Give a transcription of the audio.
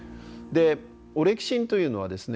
オレキシンというのはですね